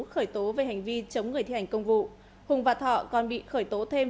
khởi tố về hành vi chống người thi hành công vụ hùng và thọ còn bị khởi tố thêm